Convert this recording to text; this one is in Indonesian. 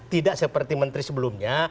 tidak seperti menteri sebelumnya